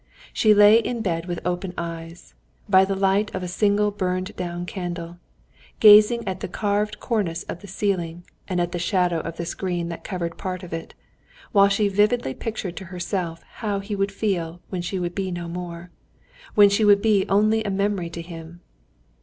She lay in bed with open eyes, by the light of a single burned down candle, gazing at the carved cornice of the ceiling and at the shadow of the screen that covered part of it, while she vividly pictured to herself how he would feel when she would be no more, when she would be only a memory to him.